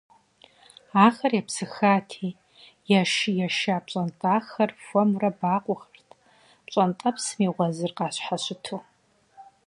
Ахэр епсыхати, я шы еша пщӀэнтӀахэр хуэмурэ бакъуэхэрт, пщӀэнтӀэпсым и гъуэзыр къащхьэщыту.